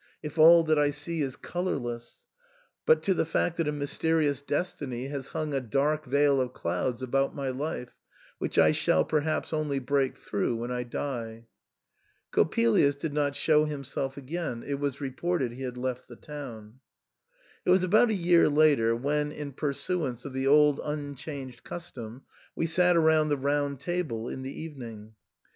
177 if all that I see is colourless, but to the fact that a mys terious destiny has hung a dark veil of clouds about my life, which I shall perhaps only break through When I die. Coppelius did not show himself again ; it was reported he had left the town. It was about a year later when, in pursuance of the old unchanged custom, we sat around the round table in the evening.